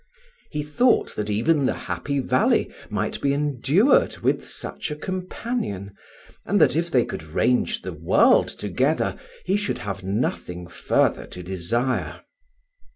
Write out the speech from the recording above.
He thought that even the Happy Valley might be endured with such a companion, and that if they could range the world together he should have nothing further to desire.